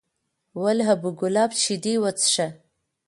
ول ابو کلاب شیدې وڅښه!